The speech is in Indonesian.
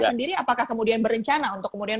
sendiri apakah kemudian berencana untuk kemudian